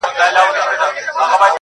ستا د يادو لپاره.